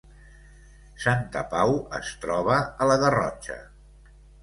Santa Pau es troba a la Garrotxa